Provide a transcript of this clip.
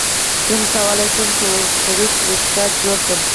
څنګه کولی شم په وردپریس ویبسایټ جوړ کړم